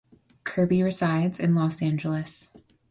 Kirby resides in Los Angeles.